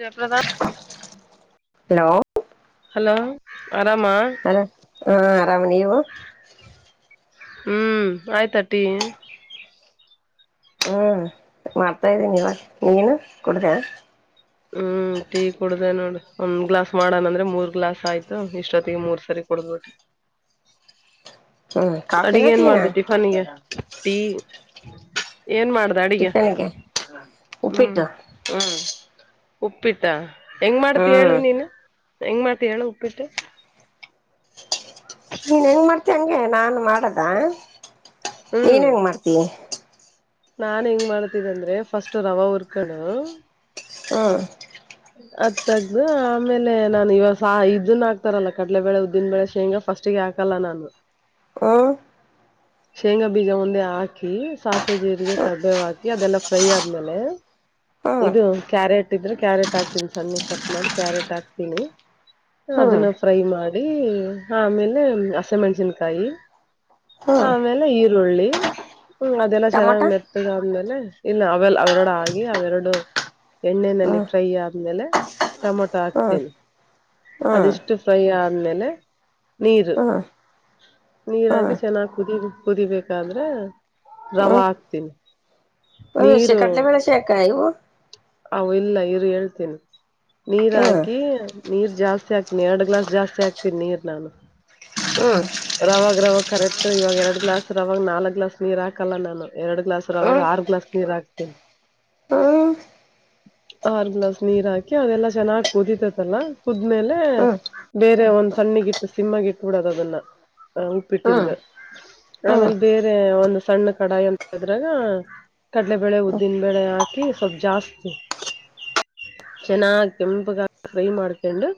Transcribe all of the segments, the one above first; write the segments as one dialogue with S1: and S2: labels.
S1: Jayaprada [unintelligible]
S2: hello
S1: hello, ಆರಾಮ
S2: hello ಹಾ ಆರಾಮ್ ನೀವು
S1: ಹ್ಮ್ ಆಯ್ತಟಿ
S2: ಹ್ಮ್ ಮಾಡ್ತಾ ಇದ್ದೀನಿ ಇವಾಗ ನೀನು ಕುಡ್ದ
S1: ಹ್ಮ್ ಟೀ ಕುಡ್ದ ನೋಡ್ರಿ ಒಂದ್ ಗ್ಲಾಸ್ ಮಾಡಣ ಅಂದ್ರೆ ಮೂರ್ ಗ್ಲಾಸ್ ಆಯ್ತು ಇಷ್ಟೊತ್ತಿಗೆ ಮೂರ್ ಸರಿ ಕುಡಿದ್ಬಿಟ್ಟೆ
S2: ಹ್ಮ್ ಕಾಫಿನ
S1: ಅಡಿಗೆ ಏನ್
S2: ಟೀನಾ
S1: ಮಾಡ್ದ ಟಿಫನ್ ನಿಗೆ ಟೀ ಏನ್ ಮಾಡ್ದೆ ಅಡುಗೆಗೆ
S2: ಟಿಫನ್ಗೆ
S1: ಹ್ಮ್
S2: ಉಪ್ಪಿಟ್ಟು ಹ್ಮ್
S1: ಉಪ್ಪಿಟ್ಟಾ ಹೆಂಗ್ ಮಾಡ್ತಿ
S2: ಹ್ಮ್
S1: ಹೇಳುದ ನೀನು ಹೆಂಗ್ ಮಾಡ್ತ ಹೇಳು ಉಪ್ಪಿಟ್ಟ
S2: ನೀನ್ ಹೆಂಗ್ ಮಾಡ್ತೀಯಾ ಹಂಗೆ ನಾನು ಮಾಡದ ಏನ್
S1: ಹ್ಮ್
S2: ಹೆಂಗ್ ಮಾಡ್ತಿ
S1: ನಾನ್ ಹೆಂಗ್ ಮಾಡ್ತಿದ್ದ ಅಂದ್ರೆ ಫಸ್ಟ್ ರವ ಹುರ್ಕೊಂಡ
S2: ಹಾ
S1: ಅತ್ಗ್ದು ಆಮೇಲೆ ನಾನನ್ ಇವ ಇದನ್ ಆಗ್ತಾರಲ್ಲ ಕಡಲೆಬೇಳೆ ಉದ್ದಿನ ಬೆಳೆ ಶೇಂಗಾ ಫಸ್ಟಿಗೆ ಹಕಲ್ಲ ನಾನು
S2: ಹ
S1: [unintelligible] ಶೇಂಗಾ ಬೀಜ ಒಂದೆ ಹಾಕಿ ಸಾಸಿವೆ ಜೀರಿಗೆ ಕರ್ಬೇವ ಹಾಕಿ ಅದೆಲ್ಲ ಫ್ರೈ ಆದ್ಮೇಲೆ
S2: ಹ್ಮ್
S1: ಇದು ಕ್ಯಾರೆಟ್ ಇದ್ರೆ ಕ್ಯಾರೆಟ್ ಹಾಕ್ಿ [unintelligible] ಸಣ್ಣ ಕಟ್ ಮಾಡಿ ಕ್ಯಾರೆಟ್ ಹಾಕ್ತೀನಿ
S2: ಹ್ಮ್
S1: ಅದನ್ನ ಫ್ರೈ ಮಾಡ ಆಮೇಲೆ ಆಸಂ ಮೆಣಸಿನಕಾಯಿ
S2: ಹ್ಮ್
S1: ಆಮೇಲೆ ಈರುಳ್ಳಿ ಹ ಅದೆಲ್ಲ
S2: ಟಮೊಟ
S1: ಚೆನ್ನಾಗ್ ಮೆತ್ತದಾದ್ಮೇಲೆ ಇಲ್ಲ ಅವೆ ಅವರಡ ಆಗಿ ಅವೆರಡು ಎಣ್ಣನೆಯಲ್ಲಿ
S2: ಹ್ಮ್
S1: ಫ್ರೈ ಆದ್ಮೇಲೆ ಟೊಮೊಟೊ
S2: ಹ್ಮ್
S1: ಹಾಕ್ತೀನಿ
S2: ಹ್ಮ್
S1: ಅದಿಷ್ಟು ಫ್ರೈ ಆದ್ಮೇಲೆ ನೀರು
S2: ಹ್ಮ್ ಹ್ಮ್
S1: ನೀರಾಗಿ ಚೆನ್ನಾಗಿ ಕುದಿ ಕುದಿಬೇಕಾದ್ರೆ ರವ ಆಗ್ತೀನಿ
S2: ಹಸೆ ಕಟ್ಲೆ [unintelligible] ಕಳ ಶಕಾಯು
S1: ಅ ಇಲ್ಲ ಇರು ಹೇಳ್ತೀನಿ ನೀರ್
S2: ಹ್ಮ್
S1: ಹಾಕಿ ನೀರ್ ಜಾಸ್ತಿ ಹಾಕ್ತೀನಿ ಎರಡು ಗ್ಲಾಸ್ ಜಾಸ್ತಿ ಹಾಕ್ತೀನಿ ನೀರ್ ನಾನು
S2: ಹ್ಮ್
S1: ರ ರ ಕರೆಕ್ಟ್ ಇವಾಗ ಎರಡ್ ಗ್ಲಾಸ್ ರವಾಗ ನಾಲ್ಕ್ ಗ್ಲಾಸ್ ನೀರ್ ಹಾಕಲ್ಲ ನಾನು ಎರಡು ಗ್ಲಾಸ್ ರವಾಗ ಆರು ಗ್ಲಾಸ್ ನೀರ್ ಹಾಕ್ತಿ ಹ್ಮ
S2: ಹ್ಮ
S1: ಆರ್ ಗ್ಲಾಸ್ ನೀರ್ ಹಾಕಿ ಅದೆಲ್ಲಾ ಚೆನ್ನಾಗಾಗಿ ಕುದಿತತಲ್ಲ ಕುದ್ಮೇಲೆ
S2: ಹ್ಮ್ ಹ್ಮ್
S1: ಬೇರೆ ಒಂದ್ ಸಣ್ಣಿಗಿಟ್ಟು ಸಿಮ್ಮಗಿಟ್ಬ ಬಿಡದ ಅದನ್ನ ಅ ಉಪ್ಪಿಟ್ಟಿಂದು
S2: ಹ್ಮ್
S1: ಆಮೇಲೆ ಬೇರೆ ಒಂದು ಸಣ್ಣ ಕಡಾಯಿ ಅಂತಿದ್ರೆ ಕಡಲೆಬೇಳೆ ಉದ್ದಿನಬೇಳೆ ಹಾಕಿ ಸ್ವಲ್ಪ್ ಜಾಸ್ತಿ ಚೆನ್ನಾಗ ಕೆಂಪುಗಾಗಿ ಫ್ರೈ ಮಾಡ್ಕೊಂಡು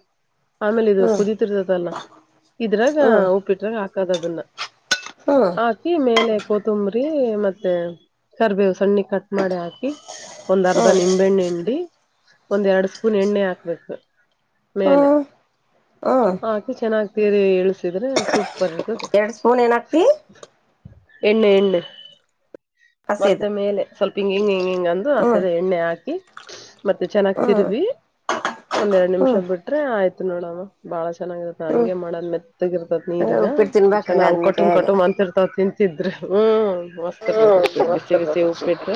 S1: ಆಮೇಲೆ ಇದು ಕುದೀತಿರ್ತದಲ್ಲ ಇದ್ರಾಗ
S2: ಹ್ಮ್
S1: ಉಪ್ಪಿಟ್ರಾಗ ಹಾಕದ ಅದನ್ನ
S2: ಹ್ಮ್
S1: ಹಾಕಿ ಮೇಲೆ ಕೊತ್ತಂಬ್ರಿ ಮತ್ತೆ ಕರಿಬೇವು ಸಣ್ಣ ಕಟ್ ಮಾಡಿ ಹಾಕಿ ಒಂದ್ ಅರ್ಧ
S2: ಹ್ಮ್
S1: ನಿಂಬೆಣ್ಣೆ ಇಂಡಿ ಒಂದ್ ಎರಡು ಸ್ಪೂನ್ ಎಣ್ಣೆ ಹಾಕ್ಬೇಕು ಮೇಲೆ
S2: ಹ್ಮ್ ಹ್ಮ್
S1: ಹಾಕಿ ಚೆನ್ನಾಗಿ ಇಳಿಸಿದರೆ ಸೂಪ
S2: ಎರಡ್ ಸ್ಪೂನ್ ಏನ ಹಕ್ತಿ
S1: ಎಣ್ಣು ಎಣ್ಣು
S2: ಹಸಿದು
S1: ಮತ್ತೆ ಮೇಲೆ ಸ್ವಲ್ಪ ಹಿಂಗ ಹಿಂಗ ಹಿಂಗ ಹಿಂಗ ಅಂದು ಹಸ
S2: ಹ್ಮ್
S1: ಹಾಕಿ ಮತ್ತೆ ಚೆನ್ನಾಗಿ
S2: ಹ್ಮ್
S1: ತಿರ್ವಿ ಒಂದ್ರಡ್ ನಿಮಿಷ
S2: ಹ್ಮ್ ಹ್ಮ್
S1: ಬಿಟ್ರೆ ಆಯ್ತು ನೋಡವ ಬಾಳ ಚೆನ್ನಾಗಿರತ್ತ ಹಂಗೆ ಮಾಡೋದ್ ಮೆತ್ತಗಿರ್
S2: ಹಂಗ
S1: ನೀರಿಗ
S2: ಉಪ್ಪಿಟ್ಟು ತಿನ್ಬೇಕ
S1: ಚನ್ನ
S2: ಹಂಗ
S1: ಅವ
S2: ನನ್
S1: ಕಟ್ಟುಮ್
S2: ಕೈಯಾಗ
S1: ಕಟ್ಟ್ ಅಂತರ್ತಾವ್ ತಿಂತಿದ್ರಿ ಹ್ಮ ಮ ಉಪ್ಪಿ ಬಿಸಿ ಬಿಸಿ ಉಪ್ಪಿಟ್ಟ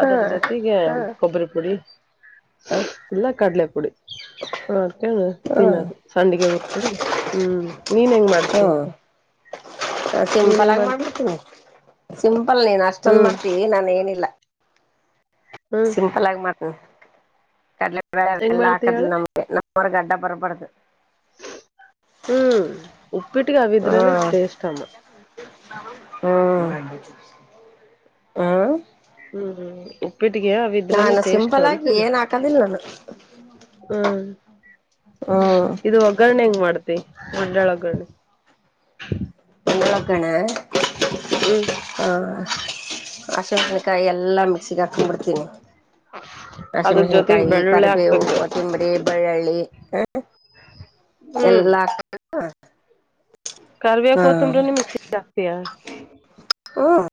S2: ಹಾ
S1: ಅದರ ಜೊತೆಗೆ
S2: ಹಾ
S1: ಕೊಬ್ಬರಿ ಪುಡಿ ಇಲ್ಲ ಕಡಲೆ ಪುಡಿ ರ್ಕ
S2: ಹ್ಮ್
S1: ತಿನ್ನೋದು ಸಂಡಿಗೆ ಉರ್ಕೊಂಡ ಹ್ಮ್ ನೀನ್ ಹೆಂಗ್ ಮಾಡ್ತಿ
S2: ಹ್ಮ್
S1: ನೀನ್
S2: ಸಿಂಪಲ್
S1: ಹೆಂಗ
S2: ಆಗಿ
S1: ಮಾಡ್ತಿ
S2: ಮಾಡ್ಬಿಡ್ತೀನಿ ಸಿಂಪಲ್ ನೀನ್ ಅಷ್ಟೊಂದ
S1: ಹ್ಮ್
S2: ಮಾಡ್ತೀವಿ ನಾನನ್ ಏನಿಲ್ಲ
S1: ಹ್ಮ್
S2: ಸಿಂಪಲ್ ಆಗಿ ಮಾಡತಿ ಕಡಲೆ ಕ
S1: ಹೆಂಗ್
S2: ಎಲ್ಲಾ
S1: ಮಾಡ್ತಿ
S2: ಹಾಕದ
S1: ಹೇಳು
S2: ನಮಗೆ ಒ ಗಂಟ ಪರಪಡದು
S1: ಹ್ಮ್ ಉಪ್ಪಿಟ್ಟಿಗೆ ಅವಿದ್ರೇನೆ
S2: ಹ್ಮ್
S1: ಟೇಸ್ಟ್ ಅಮ್ಮ
S2: ಹ್ಮ್ ಹಾ
S1: ಹ್ಮ್ ಉಪ್ಪಿಟ್ಟಿಗೆ ಅವಿದ್ರನೆ
S2: ನಾನು
S1: ಟೇಸ್ಟ್
S2: ಸಿಂಪಲ್ ಆಗಿ
S1: ಅಂತಿನ
S2: ಏನ್ ಹಾಕದಿಲ್ಲ ನಾನು ಹ್ಮ್
S1: ಇದು ಒಗ್ಗರಣೆ ಹೆಂಗ್ ಮಾಡ್ತಿ ಮಂಡಾಳ ಒಗ್ಗರಣೆ
S2: ಎಕಣ್ಣ
S1: ಹ್ಮ್
S2: ಹಾ ಆಶಸಿನಕಾಯಿ ಎಲ್ಲಾ ಮಿಕ್ಸಿಗೆ ಹಾಕ್ಂಬಿಡ್ತೀನಿ ವಾಷಿನ್
S1: ಅದ್ರ ಜೊತೆಗ್
S2: ಮೆಷಿನ್ಕಾಯಿ
S1: ಬೆಳ್ಳುಳ್ಳಿ
S2: ಕೊರಿಬೆ
S1: ಹಾಕ್ಬೇಕು
S2: ಉೂಪ್ಪ ತಿಂಬ್ರಿ ಬೆಳ್ಳಳ್ಳಿ ಹ್ಮ
S1: ಹ್ಮ್
S2: ಎಲ್ಲಾ
S1: ಕಾರವ
S2: ಹಾ
S1: ಕೊ ತುಂಬರನ್ನು ಮಿಕ್ಸ ರಾತಿ ಆ
S2: ಹ್ಮ್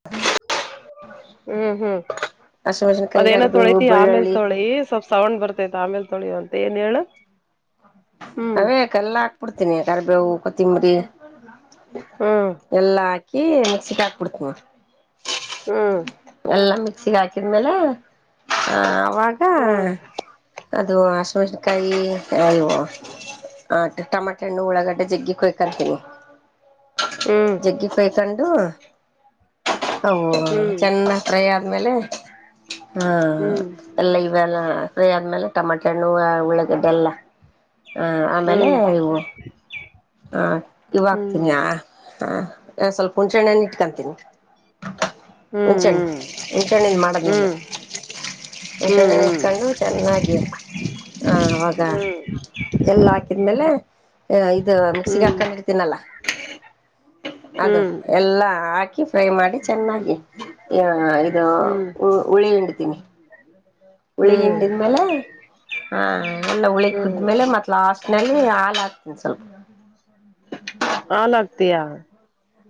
S1: ಹ್ಮ್ ಹ್ಮ್
S2: ಹಸಿಮೆಣಸಿನಕಾಯಿ
S1: ಅದೇನ
S2: ಕರಿಬೇವು
S1: ತೊಳತಿ ಆಮೇಲ್
S2: ಬೆಳ್ಳುಳ್ಳಿ
S1: ತೊಳಿ ಸ್ವಲ್ಪ್ ಸೌಂಡ್ ಬರ್ತೈತಿ ಆಮೇಲ್ ತೊಳಿ ಅಂತ ಏನ್ ಹೇಳ
S2: ಅವೇ ಕಲ್ಲ ಹಾಕ್ಬಿಡ್ತೀನಿ ಕರಿಬೇವು ಕೊತ್ತಂಬರಿ
S1: ಹ್ಮ್
S2: ಎಲ್ಲಾ ಹಾಕಿ ಮಿಕ್ಸಿಕ್ ಹಾಕ್ಬಿಡ್ತನ
S1: ಹ್ಮ್
S2: ಹಸಗ ಹಾಕಿದ್ಮೇಲೆ ಆ ಅವಾಗ ಅದು ಆಶವಷಕಾರಿ ಆಯ
S1: ಹ
S2: ಆ ಟೊಮಾಟೆ ಹಣ್ಣ ಉಳಗಡ್ಡೆ ಜಗ್ಗಿ ಕೊಯ್ಕಂತೀನಿ
S1: ಹ್ಮ್
S2: ಜಗ್ಗಿ ಕೊಯ್ ಕಂಡು ಅ
S1: ಹ್ಮ್
S2: ಚೆನ್ನಾಗ ಫ್ರ ಆದ್ಮೇಲೆ ಹ್ಮ
S1: ಹ್ಮ್
S2: ಎಲ್ಲ ಇವೆಲ್ಲ ಫ್ರೀ ಆದ್ಮೇಲೆ ಟಮಾಟ ಹ್ಣೋವ ಉಳ್ಳಗಡ್ಡೆಲ್ಲ ಹ ಆಮೇಲೆ
S1: ಹ್ಮ್
S2: ಇವು ಆ
S1: ಹ್ಮ್ ಹ್ಮ್ ಹ್ಮ್ ಹ್ಮ್
S2: ಇವಾಗ್ತೀನಯ ಹಾ ಸ್ವಲ್ಪ ಹುಣಚಿಣ್ಣನ ಇಟ್ಕೊಂತೀನಿ ಹಂಚೆಣ್ಣ ಹಂಚಣ್ಣನ್ ಮಾಡದ್ ನಾನ ಮು
S1: ಹ್ಮ್ ಹ್ಮ್ ಹ್ಮ್
S2: ಇಚ್ಕೊಂಡು ಚೆನ್ನಾಗಿ ಹ ಅವಾಗ ಎಲ್ಲಾ ಹಾಕಿದ್ಮೇಲೆ ಇ
S1: ಹ್ಮ್
S2: ಮಿಕ್ಸಿಗೆ
S1: ಹ್ಮ್
S2: ಹಾಕೊಂಡ್ರ್ತೀನಲ್ಲ ಅದು
S1: ಹ್ಮ್ ಹ್ಮ್ ಹ್ಮ್
S2: ಎಲ್ಲಾ ಹಾಕಿ ಫ್ರೈ ಮಾಡಿ ಚೆನ್ನಾಗಿ ಹ ಇದು
S1: ಹ್ಮ್
S2: ಉ ಉಳಿ ಹಂಡಿತೀನಿ ಹುಳಿ ಹಿಂಡಿದ್ಮೇಲೆ ಆ ಎಲ್ಲ ಹುಳಿ ಕುದ್ಮೇಲೆ ಮತ್ ಲಾಸ್ಟ್ ನಲ್ಲಿ ಹಾಲ್ ಹಾಕ್ತೀನಿ ಸ್ವಲ್ಪ..
S1: ಹಾಲ್ ಹಾಕ್ತೀಯ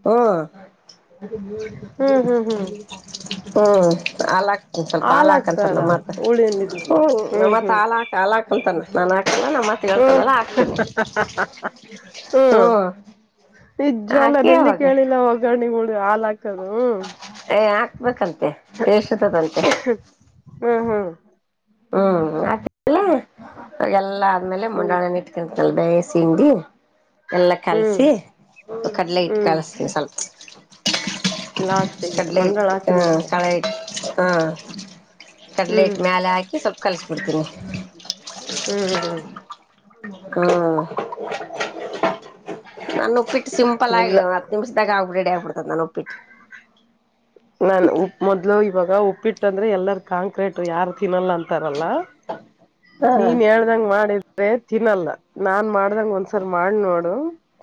S2: ಹ್ಮ ಹ್ಮ್
S1: ಹ್ಮ್ ಹ್ಮ್ ಹ್ಮ್
S2: ಅಲ.. ಒಂದ ಸ್ವಲ್ಪ ಹಾಲ್ ಹಾಕಂತಾರ
S1: ಹಾಕ್ತಾರ
S2: ನಮ್ಮತ ಹ್ಮ
S1: ಹುಳಿಯಲ್ಲಿದ್ರನು ಹ್ಮ್
S2: ನಮ್ಮತ್ರ
S1: ಹ್ಮ್
S2: ಹಾಲ ಹಾಕ್ ಹಾಲ ಹಾಕಂತಾನ.. ನಾನ್ ಹಾಕಲ್ಲ ನಮ್ಮತ್
S1: ಹ್ಮ್
S2: ಹೇಳ್ತಾನಲ್ಲ ಹಾಕ್ತೀನಿ
S1: ಹ್ಮ್.. ನಿಜ್ವ ಅಲ್ಲ
S2: ಹಾಕಿ
S1: ನೆಲ್ಲಿ
S2: ಅವಾಗ
S1: ಕೇಳಿಲ್ಲ ಹೋಗ್ಣ ಹ ಹಾಕಿ ಕದ
S2: ಏ ಹಾಕ್ಬೇಕಂತೆ ಟೇಸ್ಟ್ ಇರ್ತದಂತೆ
S1: ಹಾ ಹಾ..
S2: ಹ್ಮ್ ಆಕ ಅವ ಎಲ್ಲಾ ಆದ್ಮೇಲೆ
S1: ಹ್ಮ್
S2: ಮುಂಡಳನ ಇಟ್ಕ [inaudible] ಚಲ್ದ ಸಿಂಡಿ.. ಎಲ್ಲ
S1: ಹ್ಮ್
S2: ಕಲ್ಸಿ ಕಡ್ಲೆ ಇಟ್
S1: ಹ್ಮ್
S2: ಕಲ್ಸ ಸ್ವಲ್ಪ.
S1: ಲಾಸ್ಟಿಗೆ
S2: ಕಡ್ಲೆ ಇಟ್
S1: ಮಂಡಾಳ
S2: ಹಾ
S1: ಹಾಕಿದ್ಮೇಲೆ
S2: ಕಳ ಇಟ್ ಹಾ ಕಡ್ಲೆ
S1: ಹ್ಮ್
S2: ಇಟ್ ಮ್ಯಾಲ ಹಾಕಿ ಸ್ವಲ್ಪ್ ಕಲಸ್ಬಿಡ್ತೀನಿ
S1: ಹ್ಮ್ ಹ್ಮ್
S2: ಹಾಂ ನಾನ ಉಪ್ಪಿಟ್ಟು ಸಿಂಪಲ್ ಆಗಿ
S1: ಇಲ್ಲ
S2: ಒಂದು ಹತ್ತು ನಿಮಿಷದಾಗ ರೆಡಿ ಆಗ್ಬಿಡ್ತ ನಾನ ಉಪ್ಪಿಟ್ಟು
S1: ನಾನ್ ಉಪ್ ಮೊದ್ಲು ಇವಾಗ ಉಪ್ಪಿಟ್ಟಂದ್ರೆ ಎಲ್ಲಾರ ಕಾಂಕ್ರೀಟ್ ಯಾರು ತಿನ್ನಲ್ಲ ಅಂತಾರಲ್ಲ
S2: ಹಾ
S1: ನೀನ್ ಹೇಳ್ದಂಗ ಮಾಡಿದ್ರೆ ತಿನ್ನಲ್ಲ ನಾನ್ ಮಾಡ್ದಂಗ ಒಂದ್ಸರ್ ಮಾಡ್ ನೋಡು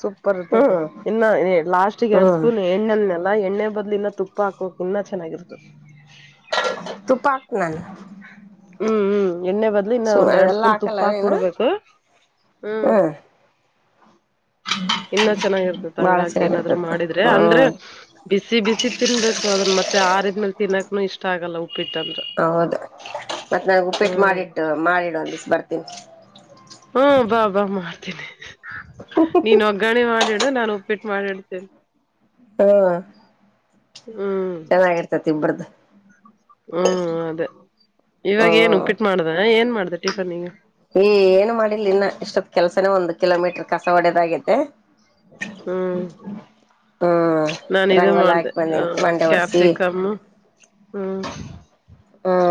S1: ಸೂಪರ್ ಇರ್ತದ
S2: ಹ್ಮ್
S1: ಇನ್ನು ಲಾಸ್ಟ್ಗೆ ಎರಡು
S2: ಹ್ಮ್
S1: ಸ್ಪೂನ್ ಎಣ್ಣೆನಲ್ಲ ಎಣ್ಣೆ ಬದ್ಲು ಇನ್ನ ತುಪ್ಪ ತುಪ್ಪ ಹಾಕೋಕ್ ಇನ್ನ ಚೆನ್ನಾಗಿರ್ತದೆ
S2: ತುಪ್ಪ ಹಾಕ್ ನಾನು
S1: ಹ್ಮ್ ಹ್ಮ್ ಎಣ್ಣೆ ಬದ್ಲು ಇನ್ನ
S2: ಸು
S1: ಒಂದ್ ಎರಡ್ ಸ್ಪೂನ್ ತುಪ್ಪ ಹಾಕ್ ಬಿಡ್ಬೇಕು
S2: ಹಾ
S1: ಇನ್ನ ಚೆನ್ನಾಗಿರ್ತ
S2: ಬಾಳ
S1: ಹಂಗಾಕಿ ಏನಾದ್ರು
S2: ಚೆನ್ನಾಗಿರ್ತತಿ
S1: ಮಾಡಿದ್ರೆ ಅಂದ್ರೆ
S2: ಹ್ಮ್
S1: ಬಿಸಿ ಬಿಸಿ ತಿನ್ಬೇಕು ಅದನ್ನ ಮತ್ತೆ ಆರಿದ್ಮೇಲೆ ತಿನ್ನಕ್ ಇಷ್ಟ ಆಗಲ್ಲವು
S2: ಹ ಹೌದು ಮತ್ತ್ ನನ್ ಉಪ್ಪಿಟ್ಟು
S1: ಹ್ಮ್
S2: ಮಾಡಿಟ್ಟು ಮಾಡಿಡ್ ಒಂದ್ ದಿಸ್ ಬರ್ತೀನಿ
S1: ಹ್ಮ ಬಾ ಬಾ ಮಾಡ್ತೀನಿ ನೀನ್ ಒಗ್ಗಾಣೆ ಮಾಡಿಡು ನಾನು ಪಿಟ್ ಮಾಡ್ ಹೇಳ್ತಿನಿ
S2: ಹಾ
S1: ಹ್ಮ್
S2: ಚೆನ್ನಾಗಿರ್ತೆ ತಿಂಬ್ರದ
S1: ಹ್ಮ್ ಅದೇ ಇವಾಗ ಏನು
S2: ಹ್ಮ್
S1: ಉಪ್ಪಿಟ್ಟ ಮಾಡ್ದ ಏನ್ ಮಾಡ್ದ ಟಿಫನಿಗೆ
S2: ಈ ಏನು ಮಾಡಿಲ್ ಇನ್ನ ಇಷ್ಟೊತ್ ಕೆಲ್ಸನೇ ಒಂದ್ ಕಿಲೋಮೀಟರ್ ಕಸ ಒಡದಾಗತೆ
S1: ಹ್ಮ್
S2: ಹ್ಮ್
S1: ನಾನ್ ಇದು
S2: ರಂಗೋಲಿ
S1: ಮಾಡ್ದೆ
S2: ಹಾಕಿ
S1: ಆ ಕ್ಯಾಪ್ಸಿಕಮ್ಮ
S2: ಹಾ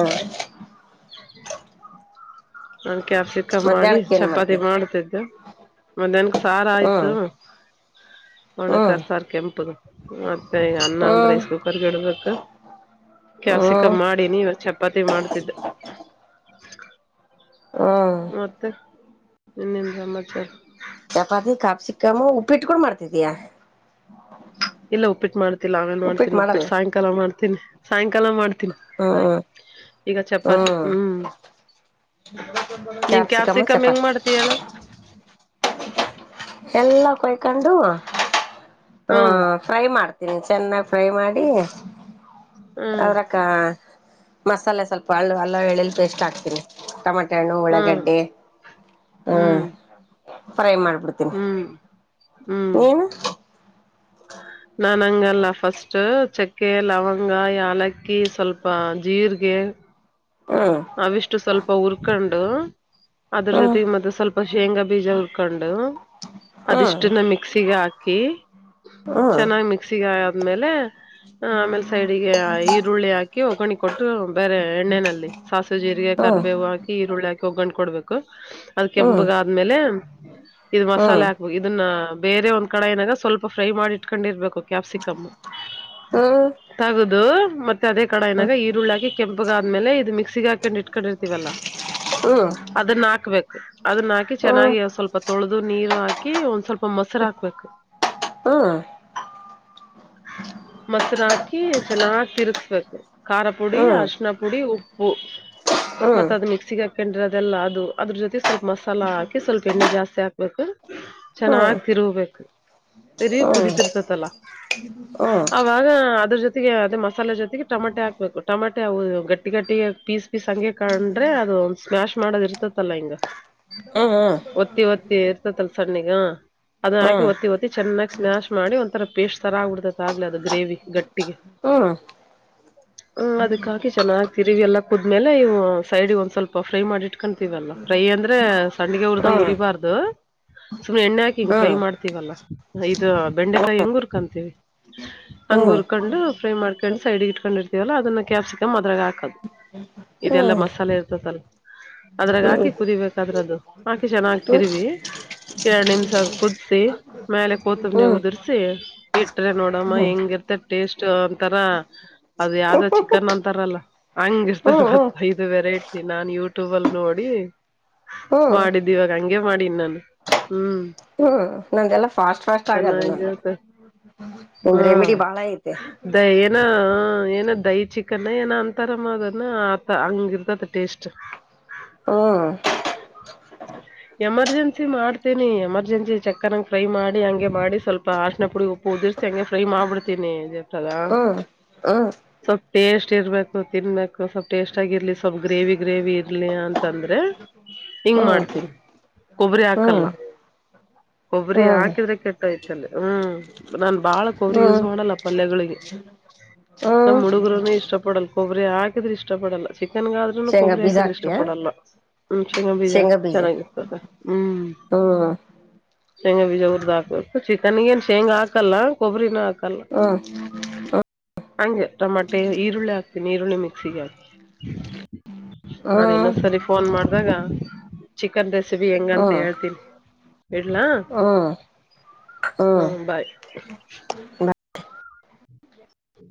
S1: [inaudible] ನನ್ ಕ್ಯಾಪಿಸಿಕಂ ಮಾಡಿ
S2: ಮಧ್ಯಾಹ್ನಕ್ಕೆ ಏನ್
S1: ಚಪಾತಿ
S2: ಮಾಡ್ತಿ
S1: ಮಾಡ್ತಿದ್ದು ಮದ್ಯಾನಕ್ ಸಾರ ಆಯ್ತು
S2: ಹ್ಮ್ ಹ್ಮ್
S1: ಒಣಕಾರ್ ಸಾರ್ ಕೆಂಪುದು ಮತ್ತೆ ಈ ಅನ್ನ ಒಂದ್
S2: ಹ್ಮ್
S1: ರೈಸ್ ಕುಕ್ಕರ್ಗೆ ಇಡ್ಬೇಕು ಕ್ಯಾಪಿಸಿಕಂ
S2: ಹ್ಮ್
S1: ಮಾಡಿನಿ ಇವಾಗ್ ಚಪಾತಿ ಮಾಡ್ತಿದ್ದ
S2: ಹ್ಮ್
S1: ಮತ್ತೆ ಇನ್ನ ಏನ್ ಸಮಾಚಾರ
S2: ಚಪಾತಿನ ಕಾಪಸಕ್ಕಮ್ಮ ಉಪ್ಪಿಟ್ಗು ಮಾಡ್ತಿದಿಯ
S1: ಇಲ್ಲ ಉಪ್ಪಿಟ್ಟ ಮಾಡ್ತಿಲ್ಲ [unintelligible] ಮಾಡ್ತಿನಿ ಉಪ್ಪಿಟ್ಟು ಸಾಯಂಕಾಲ ಮಾಡ್ತನಿ ಸಾಯಂಕಾಲ ಮಾಡ್ತಿ
S2: ಹ್ಮ್
S1: ಈಗ ಚಪಾತಿ ಹ್ಮ್ ನೀನ್ ಕ್ಯಾಪ್ಸಿಕಮ್ ಹೆಂಗ್ ಮಾಡ್ತೀಯಾ ಹೇಳು
S2: ಎಲ್ಲ ಕೊಯ್ಕೊಂಡು ಹಾ
S1: ಹ್ಮ್
S2: ಫ್ರೈ ಮಾಡ್ತ ತಿನ್ ಚೆನ್ನಗ್ ಫ್ರೈ ಮಾಡಿ
S1: ಹ್ಮ್
S2: ಅದ್ರಕ್ಕ ಮಸಾಲೆ ಸ್ವಲ್ಪ ಹಳ್ಳು ಅಲ್ಲ ಎಳಿಲಿ ಪೇಸ್ಟ್ ಹಾಕ್ತೀನಿ ಟಮಟ್ ಕಣು
S1: ಹ್ಮ್
S2: ಉಳಗಡ್ಡೆ ಹ್ಮ್ ಫ್ರೈ ಮಾಡ್ಬಿಡ್ತೀನಿ
S1: ಹ್ಮ್
S2: ಹ್ಮ್
S1: ನಾನ್ ಹಂಗಲ್ಲ ಫಸ್ಟ್ ಚಕ್ಕೆ ಲವಂಗ ಯಾಲಕ್ಕಿ ಸ್ವಲ್ಪ ಜೀರ್ಗೆ [unintelligible]
S2: ಹ್ಮ್
S1: ಅವಿಷ್ಟು ಸ್ವಲ್ಪ ಉರ್ಕೊಂಡು ಅದ್ರ
S2: ಹ್ಮ್
S1: ಜೊತೆಗೆ ಮತ್ತೆ ಸ್ವಲ್ಪ ಶೇಂಗಾ ಬೀಜ ಉರ್ಕೊಂಡು
S2: ಹ್ಮ್
S1: ಅದಿಷ್ಟನ್ನ ಮಿಕ್ಸಿಗೆ ಹಾಕಿ
S2: ಹ್ಮ್
S1: ಚೆನ್ನಾಗ್ ಮಿಕ್ಸಿಗ ಮೇಲೆ ಆಮೇಲೆ ಸೈಡಿಗೆ ಈರುಳ್ಳಿ ಹಾಕಿ ಕಿ ಒಗ್ಗರಾಣಿ ಕೊಟ್ಟರು ಬೇರೆ ಎಣ್ಣೆನಲ್ಲಿ ಸಾಸಿವೆ ಜೀರಿಗೆ
S2: ಹ್ಮ್ ಹ್ಮ್
S1: ಕರ್ಬೇವು ಹಾಕಿ ಈರುಳ್ಳಿ ಹಾಕಿ ಒಗ್ಗೊಂಡ್ ಕೊಡ್ಬೇಕು ಅದ್
S2: ಹ್ಮ್ ಹ್ಮ್
S1: ಕೆಂಪಗಾದ್ಮೇಲೆ ಇದ ಮಸಾಲೆ
S2: ಹ್ಮ್
S1: ಹಾಕ್ಬೇಕು ಇದನ್ನ ಬೇರೆ ಒಂದ್ ಕಡ ಏನಾಗ ಸ್ವಲ್ಪ ಫ್ರೈ ಮಾಡಿ ಇಟ್ಕೊಂಡಿರ್ಬೇಕು ಕ್ಯಾಪ್ಸಿಕಮ ತಗದು ಮತ್ತೆ ಅದೇ ಕಡಾಯಿನಾಗ ಈರುಳ್ಳಿ ಹಾಕಿ ಕೆಂಪುಗಾದ್ಮೇಲೆ ಇದು ಮಿಕ್ಸ್ ಸಿಗಾಕಂಡು ಇಟ್ಕೊಂಡಿರ್ತಿೀವಲ್ಲಾ
S2: ಹ್ಮ್
S1: ಅದನ್ನ ಹಾಕ್ಬೇಕು ಅದನ್ನ ಹಾಕಿ
S2: ಹ್ಮ್
S1: ಚೆನ್ನಾಗಿ ಸ್ವಲ್ಪ ತೊಳೆದು ನೀರು ಹಾಕಿ ಒಂದ್ ಸ್ವಲ್ಪ ಮೊಸ ಹೆಸರ ಹಾಕ್ಬೇಕು
S2: ಹಾ
S1: [inaudible] ಮೊಸರ ಹಾಕಿ ಚೆನ್ನಾಗ್ ತಿರುಗ್ಸ್ಬೇಕು ಖಾರ ಪುಡಿ
S2: ಹ್ಮ್
S1: ಅರ್ಶಿನ ಪುಡಿ ಉಪ್ಪ ಹು ಮತ್ತತ್ ಅದ್ ಮಿಕ್ಸಿಗೆ ಹಾಕೊಂಡ್ರೆ ಅದೆಲ್ಲಾ ಅದು ಅದ್ರ ಜೊತೆ ಸ್ವಲ್ಪ ಮಸಾಲ ಹಾಕಿ ಸ್ವಲ್ಪ ಎಣ್ಣೆ ಜಾಸ್ತಿ ಹಾಕ್ಬೇಕು ಚೆನ್ನಾಗ್ ತಿರುಬೇಕು ಸೆರಿಯ ಕುುದಿತಿರ್ತತಲ್ಲ ಅವಾಗ ಅದ್ರ ಜೊತೆಗೆ ಅದೇ ಮಸಾಲೆ ಜೊತೆಗೆ ಟಮಾಟೆ ಹಾಕ್ಬೇಕು ಟಮಾಟೆ ಅ ಗಟ್ಟಿಗಟ್ಟಿ ಟ್ಟಿಗೆ ಪೀಸ್ ಪೀಸ್ ಹಂಗಗೆ ಕಂಡ್ರೆ ಅದು ಒಂದ ಸ್ಮ್ಯಾಶ್ ಮಾಡದ್ ಇರ್ತತಲ್ಲಾ ಹಿಂಗ ಒತ್ತಿ ಒತ್ತಿ ಇರ್ತದಲ್ ಸ್ಣಗಾ ಅದನ್ನ ಹಾಕಿ ಒತ್ತಿ ಒತ್ತಿ ಚೆನ್ನಾಗ್ ಸ್ಮ್ಯಾಶ್ ಮಾಡಿ ಒಂಥರ ಪೇಸ್ಟ್ ತರ ಆಗ್ಬಿಡತೈತ್ ಆಗ್ ಅದು ಗ್ರೇವಿ ಗಟ್ಟಿಗೆ
S2: ಹಾ
S1: ಹ್ಮ ಅದಕ್ಕ ಹಾಕಿ ಚೆನ್ನಾಗ ತಿರಿವಿ ಎಲ್ಲ ಕುದ್ಮೇಲೆ ಇ ಸೈಡ್ಗೆ ಒಂದ್ ಸ್ವಲ್ಪ ಫ್ರೈ ಮಾಡಿ ಇಟ್ಕತೀವಲ್ಲ ಫ್ರೈ ಅಂದ್ರೆ ಸಂಡ್ಣಗೆ ಅವರದ ಗರಿಬಾರ್ದ ಸುಮ್ನೆ ಎಣ್ಣೆ ಹಾಕಿ ಹಿಂಗ ಫ್ರೈ ಮಾಡ್ತೀವಲ್ಲ ಇದದು ಬೆಂಡೆಕಾಯಿ ಹೆಂಗರ್ ಕಂತೀವಿ ಹಂಗ ಉರ್ಕೊಂಡು ಫ್ರೈ ಮಾಡ್ಕೊಂಡು ಸಡ್ಗೆ ಇಟ್ಕೊಂಡಿರ್ತೀವಲ್ಲ ಅದನ್ನ ಕ್ಯಾಪ್ಸಿಕಮ್ ಅದ್ರಾಗ ಹಾಕ ಇದೆಲ್ಲ ಮಸಾಲೆ ಇರ್ತದಲ್ ಅದ್ರಾಗ ಹಾಕಿ ಕುದಿಬೇಕಾದ್ರೆ ಅದು ಆಾಕೆ ಚೆನ್ನಾಗ್ತಿರ್ವಿ ಎರಡ್ ನಿಮ್ಷ ಕುದಸಿ ಮೇಲೆ ಕೂತಂಬನವು ಉದುರ್ಸಿ ಇಟ್ರೆ ನೋಡಮ್ಮ ಹೆಂಗಿರ್ತೆ ಟೇಸ್ಟ್ ಅಂತಾರ ಅದ ಯಾವ್ದ ಚಿಕನ್ ಅಂತಾರಲ್ಲ ಹಂಗರ್ತ ಗ ಐದು ವೆರೈಟಿ ನಾನ್ ಯೂಟ್ಯೂಬ ಅಲ್ ನೋಡಿ ಮಾಡಿದ್ದು ಇವಾಗ ಹಂಗಗೆ ಮಾಡಿ ಇನ್ನಾನು ಹ್ಮ್
S2: ಹ್ಮ್ ನಂದ ಎಲ್ಲ ಫಾಸ್ಟ್ ಫಾಸ್ಟ್ ಆಗದು ನಮ್ದ
S1: ಚೆನ್ನಾಗಿರುತ್ತೆ ಹಾ ದ ಏನ ಏನ ದಹಿ ಚಿಕನ್ ಏನ ಅಂತ ತರಮದಾನ ಅ ಅಂಗರುತ ಅದ ಟೇಸ್ಟ್
S2: ಹ್ಮ್
S1: ಎಮರ್ಜೆನ್ಸಿ ಮಾಡ್ತೇನಿ ಎಮರ್ಜೆನ್ಸಿ ಚಕ್ಕನಂಗ ಫ್ರೈ ಮಾಡಿ ಹಂಗೆ ಮಾಡಿ ಸ್ವಲ್ಪ ಆ ್ಣ ಪುಡಿ ಉಪ್ಪು ಉದುರ್ಸಿ ಹಂಗೆ ಫ್ರೈ ಮಾಡ್ಬಿಡ್ತೀನಿ ಇಲ್ಲ
S2: ಹ
S1: ಸ್ವಲ್ಪ್ ಟೇಸ್ಟ್ ಇರ್ಬೇಕು ತಿನ್ಬೇಕು ಸ್ವಲ್ಪ್ ಟೇಸ್ಟ್ ಆಗಿರ್ಲಿ ಸ್ವಲ್ಪ್ ಗ್ರೇವಿ ಗ್ರೇವಿ ಇರ್ಲಿ ಅಂತಂದ್ರೆ
S2: ಹ್ಮ
S1: ಹಿಂಗ್ ಮಾಡ್ತೀನಿ ಕೊಬ್ಬರಿ ಹಾಕಲ್ಲ ಕೊಬ್ಬರಿ
S2: ಹ್ಮ್
S1: ಹಾಕಿದ್ರೆ ಕೆಟ್ಟ ಐ್ತಲ್ಲ ಹ್ಮ್ ನಾನ್ ಬಾಳ ಕೊಬ್ಬರಿ ಯೂಸ್
S2: ಹ್ಮ್
S1: ಮಾಡಲ್ಲ ಪಲ್ಯಗಳಿಗೆ ನಮ್ಮ್
S2: ಹ್ಮ್
S1: ಹುಡುಗರುನ ಇಷ್ಟ ಪಡಲ್ಲ ಕೊಬ್ಬರಿ ಹಾಕಿದ್ರೆ ಇಷ್ಟ ಪಡಲ್ಲ ಚಿಕ್ಕ ಚಿಕನ್ಗಾದ ಆದ್ರೂನು
S2: ಶೇಂಗಾ
S1: ಕೊಬ್ಬರಿ
S2: ಬೀಜ
S1: ಹಾಕಿದ್ರೆ ಇಷ್ಟ
S2: ಹಾಕ್ತಿಯಾ
S1: ಪಡಲ್ಲ ಶೇಂಗಾ ಬೀಜ ಚೆನ್ನಾಗಿರ್ತದೆ ಹ್ಮ್
S2: ಹ್ಮ್
S1: ಶೇಂಗಾ ಬೀಜ ಅವರದ್ ಹಾಕ್ಬೇಕು ಚಿಕನ್ಗ ಏನ್ ಶೇಂಗ ಹಾಕಲ್ಲ ಕೊಬ್ಬರಿನ ಹಾಕ್
S2: ಹಾ
S1: ಹಂಗೆ ಟಮಾಟೆ ಈರುಳ್ಳಿ ಹಾಕ್ತೀನಿ ಈರುಳ್ಳಿ ಮಿಕ್ಸಿಗೆ ಹಾಕ್ ಅದ
S2: ಹ್ಮ್
S1: ಇನ್ನೊಂದ್ಸರಿ ಫೋನ್ ಮಾಡ್ದಾಗ ಚಿಕನ್ ರೆಸಿಬಿ ಹೆಂಗಂತ
S2: ಹ್ಮ್
S1: ಹೇಳ್ತೀನಿ ಇಡ್ಲಾ..
S2: ಹ್ಮ್ ಹ್ಮ್
S1: ಹ್ಮ ಬಾಯ್.. ಹ್ಮ